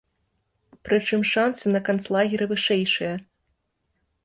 Прычым, шансы на канцлагеры вышэйшыя.